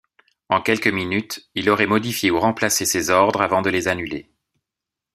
En quelques minutes, il aurait modifié ou remplacé ses ordres avant de les annuler.